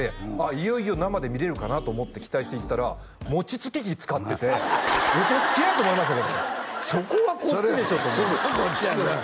いよいよ生で見れるかなと思って期待して行ったら餅つき機使っててウソつけ！と思いましたけどそこはこっちでしょと思ってそこはこっちやんな？